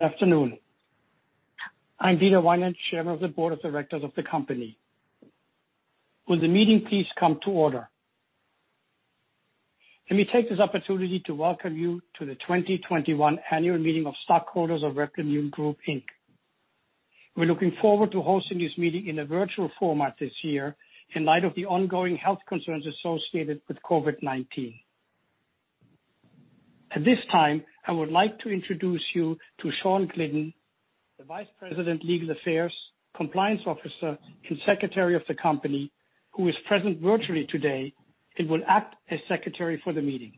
Afternoon. I'm Dieter Weinand, Chairman of the Board of Directors of the company. Will the meeting please come to order? Let me take this opportunity to welcome you to the 2021 annual meeting of stockholders of Replimune Group, Inc. We're looking forward to hosting this meeting in a virtual format this year in light of the ongoing health concerns associated with COVID-19. At this time, I would like to introduce you to Shawn Glidden, the Vice President, Legal Affairs, Compliance Officer, and Secretary of the company, who is present virtually today and will act as Secretary for the meeting.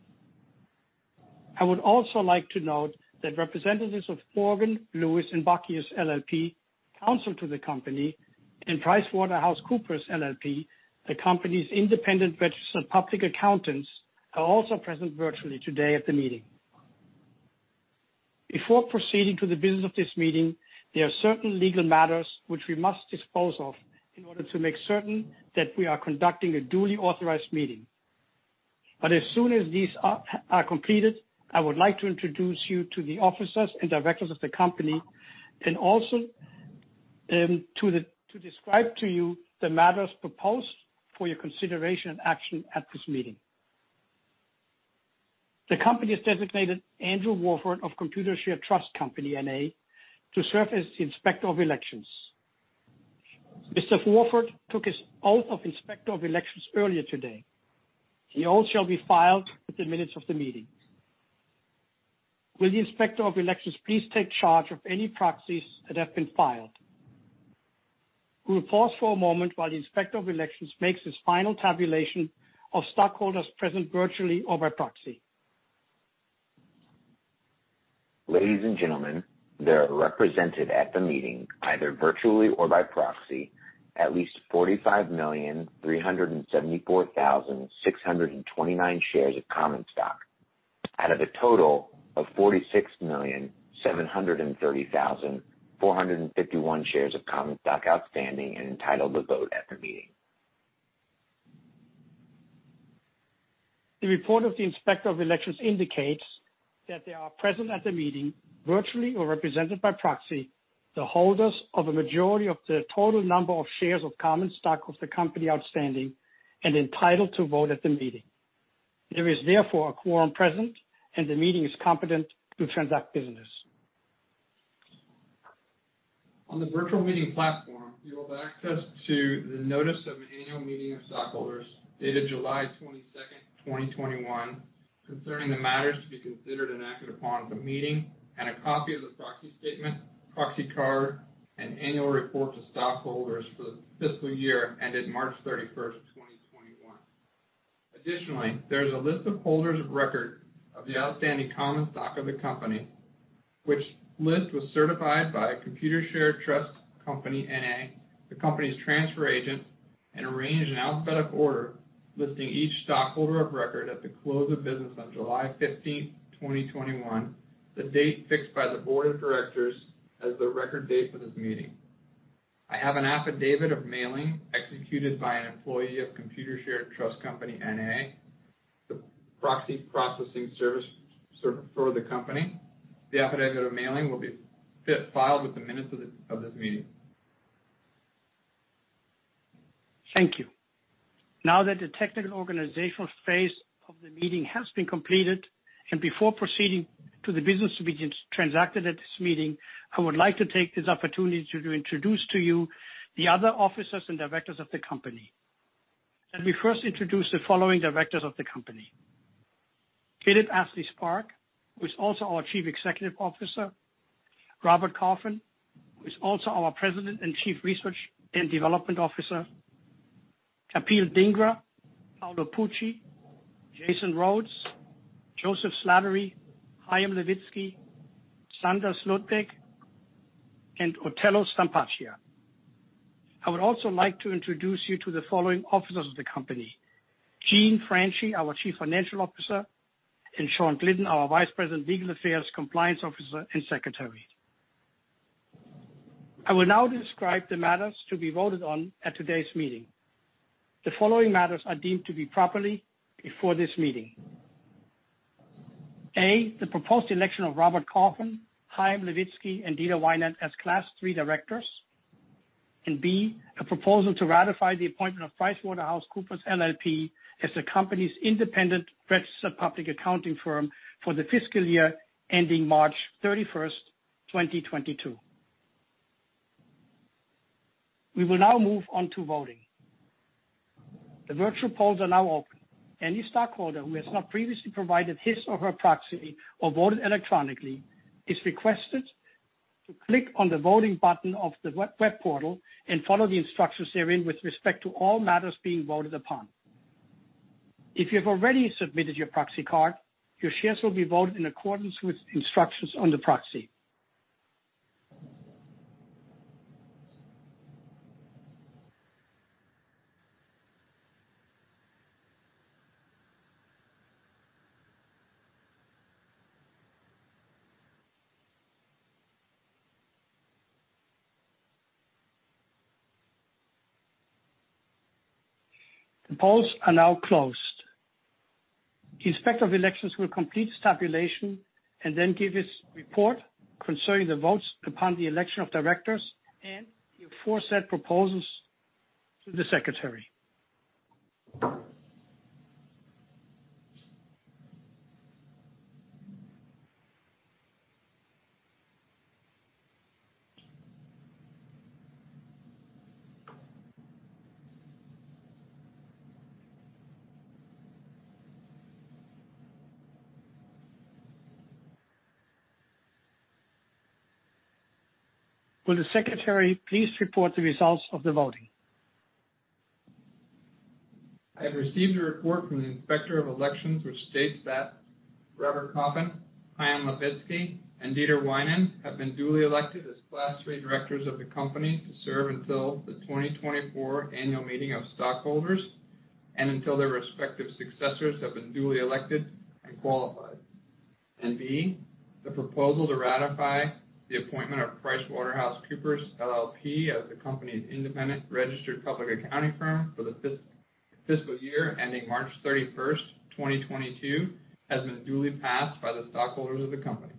I would also like to note that representatives of Morgan, Lewis & Bockius LLP, counsel to the company, and PricewaterhouseCoopers LLP, the company's independent registered public accountants, are also present virtually today at the meeting. Before proceeding to the business of this meeting, there are certain legal matters which we must dispose of in order to make certain that we are conducting a duly authorized meeting. As soon as these are completed, I would like to introduce you to the officers and directors of the company, and also to describe to you the matters proposed for your consideration and action at this meeting. The company has designated Andrew Waford of Computershare Trust Company, N.A., to serve as the Inspector of Elections. Mr. Waford took his oath of Inspector of Elections earlier today. The oath shall be filed with the minutes of the meeting. Will the Inspector of Elections please take charge of any proxies that have been filed? We will pause for a moment while the Inspector of Elections makes his final tabulation of stockholders present virtually or by proxy. Ladies and gentlemen, there are represented at the meeting, either virtually or by proxy, at least 45,374,629 shares of common stock, out of a total of 46,730,451 shares of common stock outstanding and entitled to vote at the meeting. The report of the Inspector of Elections indicates that there are present at the meeting, virtually or represented by proxy, the holders of a majority of the total number of shares of common stock of the company outstanding and entitled to vote at the meeting. There is therefore a quorum present, and the meeting is competent to transact business. On the virtual meeting platform, you will have access to the notice of annual meeting of stockholders, dated July 22nd, 2021, concerning the matters to be considered and acted upon at the meeting, and a copy of the proxy statement, proxy card, and annual report to stockholders for the fiscal year ended March 31st, 2021. Additionally, there is a list of holders of record of the outstanding common stock of the company, which list was certified by Computershare Trust Company, N.A., the company's transfer agent, and arranged in alphabetical order, listing each stockholder of record at the close of business on July 15th, 2021, the date fixed by the Board of Directors as the record date for this meeting. I have an affidavit of mailing executed by an employee of Computershare Trust Company, N.A., the proxy processing service for the company. The affidavit of mailing will be filed with the minutes of this meeting. Thank you. Now that the technical organizational phase of the meeting has been completed, and before proceeding to the business to be transacted at this meeting, I would like to take this opportunity to introduce to you the other officers and directors of the company. Let me first introduce the following directors of the company. Philip Astley-Sparke, who is also our Chief Executive Officer. Robert Coffin, who is also our President and Chief Research and Development Officer. Kapil Dhingra, Paolo Pucci, Jason Rhodes, Joseph Slattery, Hyam Levitsky, Sandra Slotwiner, and Otello Stampacchia. I would also like to introduce you to the following officers of the company. Jean Franchi, our Chief Financial Officer, and Shawn Glidden, our Vice President, Legal Affairs, Compliance Officer, and Secretary. I will now describe the matters to be voted on at today's meeting. The following matters are deemed to be properly before this meeting. A, the proposed election of Robert Coffin, Hyam Levitsky, and Dieter Weinand as Class III Directors. B, a proposal to ratify the appointment of PricewaterhouseCoopers LLP as the company's independent registered public accounting firm for the fiscal year ending March 31st, 2022. We will now move on to voting. The virtual polls are now open. Any stockholder who has not previously provided his or her proxy or voted electronically is requested to click on the voting button of the web portal and follow the instructions therein with respect to all matters being voted upon. If you have already submitted your proxy card, your shares will be voted in accordance with the instructions on the proxy. The polls are now closed. The Inspector of Elections will complete his tabulation and then give his report concerning the votes upon the election of directors and the aforesaid proposals to the Secretary. Will the secretary please report the results of the voting? I have received a report from the Inspector of Elections which states that Robert Coffin, Hyam Levitsky, and Dieter Weinand have been duly elected as Class III directors of the company to serve until the 2024 annual meeting of stockholders and until their respective successors have been duly elected and qualified. B, the proposal to ratify the appointment of PricewaterhouseCoopers LLP as the company's independent registered public accounting firm for the fiscal year ending March 31st, 2022, has been duly passed by the stockholders of the company.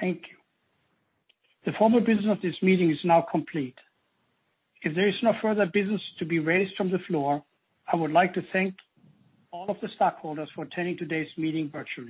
Thank you. The formal business of this meeting is now complete. If there is no further business to be raised from the floor, I would like to thank all of the stockholders for attending today's meeting virtually.